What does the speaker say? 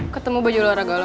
katemu baju olahraga lu